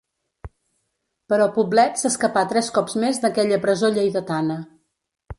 Però Poblet s'escapà tres cops més d'aquella presó lleidatana.